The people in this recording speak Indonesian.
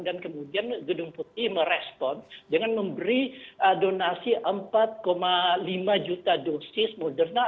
dan kemudian gedung putih merespon dengan memberi donasi empat lima juta dosis moderna